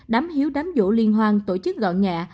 đám hiếu đám vỗ liên hoan tổ chức gọn nhẹ